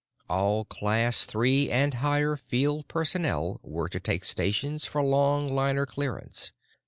All Class Three and higher Field personnel were to take stations for longliner clearance.